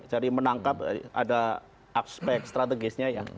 jadi menangkap ada aspek strategisnya ya